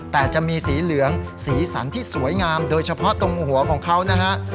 แต่จะมีสีเหลืองสีสันที่สวยงามโดยเฉพาะตรงหัวของเขานะฮะ